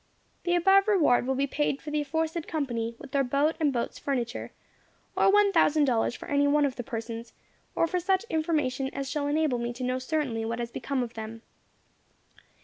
"The above reward will be paid for the aforesaid company, with their boat and boat's furniture; or one thousand dollars for any one of the persons, or for such information as shall enable me to know certainly what has become of them.